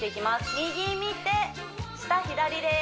右見て舌左です